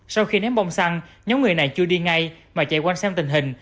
sau khi ném bông xăng nhóm người này chưa đi ngay mà chạy quanh xem tình hình